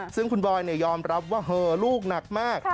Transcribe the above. ซึ่งคุณบอยยอมรับว่าเหอลูกหนักมาก